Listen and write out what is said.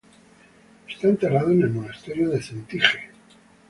Es enterrado en el monasterio de Cetinje.